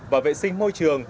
và vệ sinh môi trường